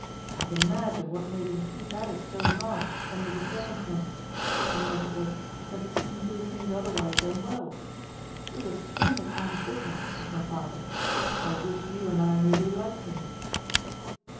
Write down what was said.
I can't imagine what made him keep at it so hard, under the circumstances, unless it was because he couldn't do things otherwise than well. He was a splen did man of business, was my father. I wish you and I may be like him."